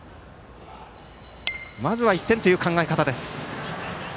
まずは１点という考え方です。